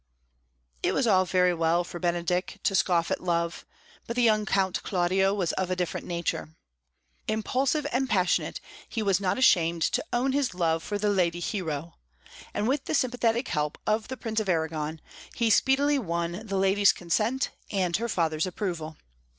It was all very well for Benedick to scoff at love, but the young Count Claudio was of a different nature. Impulsive and passionate, he was not ashamed to own his love for the lady Hero, and with the sympathetic help of the Prince of Arragon he speedily won the lady's consent and her father's approval.